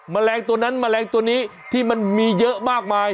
แมลงตัวนั้นแมลงตัวนี้ที่มันมีเยอะมากมาย